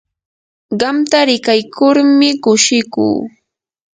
qamta rikaykurmi kushikuu.